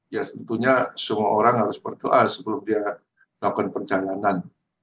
ya tentunya semua orang harus berdoa sebelum dia melakukan perjalanan